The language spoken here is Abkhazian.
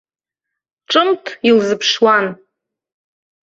Ҿымҭ илзыԥшуан.